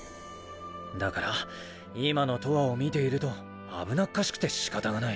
だから今のとわを見ていると危なっかしくて仕方がない。